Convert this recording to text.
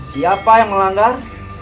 siapa yang melanggar